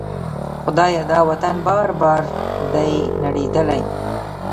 خدایه! دا وطن بار بار دی نړیدلی